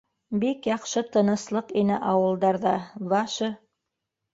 — Бик яҡшы тыныслыҡ ине ауылдарҙа, Ваше...